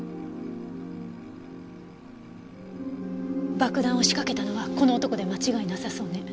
爆弾を仕掛けたのはこの男で間違いなさそうね。